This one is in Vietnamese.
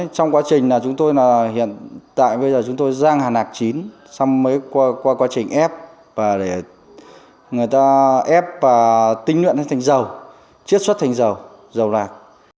trong quá trình là chúng tôi hiện tại bây giờ chúng tôi giang hạt lạc chín xong mới qua quá trình ép và để người ta ép và tính lượng nó thành dầu chiết xuất thành dầu dầu lạc